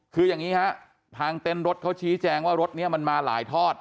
คืออย่างนี้ฮะทางเต็นต์รถเขาชี้แจงว่ารถนี้มันมาหลายทอด